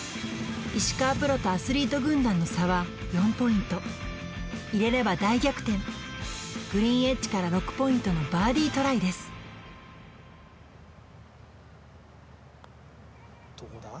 石川プロとアスリート軍団の差は４ポイント入れれば大逆転グリーンエッジから６ポイントのバーディートライですどうだ？